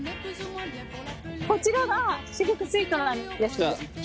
こちらがシルクスイートなんです。